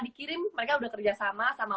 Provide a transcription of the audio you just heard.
dikirim mereka udah kerjasama sama